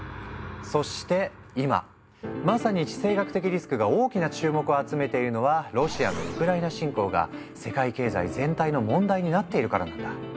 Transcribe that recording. そして今まさに「地政学的リスク」が大きな注目を集めているのはロシアのウクライナ侵攻が世界経済全体の問題になっているからなんだ。